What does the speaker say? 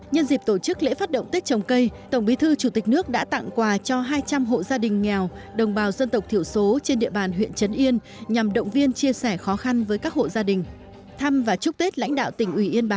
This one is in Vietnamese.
nhân dịp tổ chức lễ phát động tết trồng cây tổng bí thư chủ tịch nước đã tặng quà cho hai trăm linh hộ gia đình nghèo đồng bào dân tộc thiểu số trên địa bàn huyện trấn yên nhằm động viên chia sẻ khó khăn với các hộ gia đình